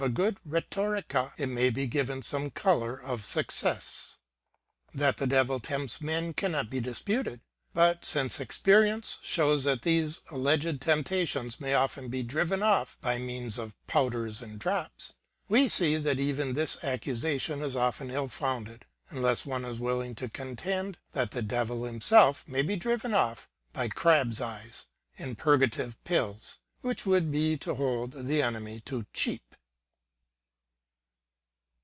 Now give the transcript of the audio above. a good rketorica it may be given some color of success. That the Devil tempts men cannot well be disputed; but since experience shows that these alleged temptations may often be driven off by means of powders and drops, we see that even this accusation is often ill founded, unless one is willing to contend that the Devil him self may be driven off by crabs* eyes and purgative pills; which Would be to hold the enemy too cheap.